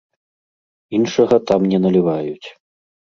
Іншага там не наліваюць.